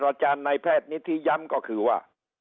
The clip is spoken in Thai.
สตราจารย์นายแพทย์นิทธิย้ำก็คือว่า